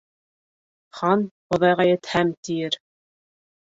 Хан «Хоҙайға етһәм» тиер.